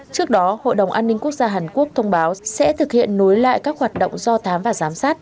trước đó hội đồng an ninh quốc gia hàn quốc thông báo sẽ thực hiện nối lại các hoạt động do thám và giám sát